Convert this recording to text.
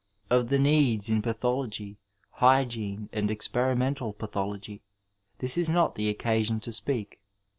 Of the needs in pathology, hygi^ae and experimental pathology this is not the occasion to speak.